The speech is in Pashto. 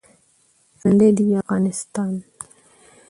ژوندۍ د وی افغانستان